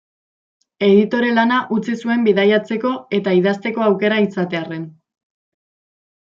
Editore-lana utzi zuen bidaiatzeko eta idazteko aukera izatearren.